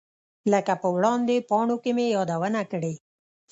لکه په وړاندې پاڼو کې مې یادونه کړې.